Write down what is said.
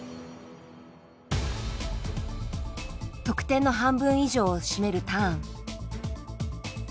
得点の半分以上を占めるターン。